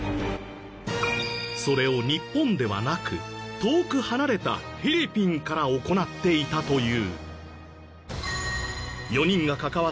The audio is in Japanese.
それを日本ではなく遠く離れたフィリピンから行っていたという。